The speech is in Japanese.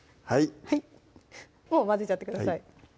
もう混ぜちゃってください